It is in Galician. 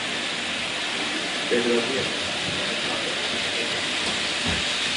Pedro Rielo, onde está agora e por que?